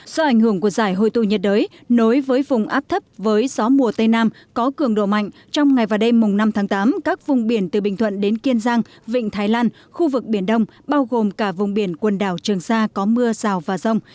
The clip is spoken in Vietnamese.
do ảnh hưởng của giải hồi tụ nhiệt đới nối với vùng áp thấp với gió mùa tây nam có cường độ mạnh trong ngày và đêm năm tháng tám các vùng biển từ bình thuận đến kiên giang vịnh thái lan khu vực biển đông bao gồm cả vùng biển quần đảo trường sa có mưa rào và rông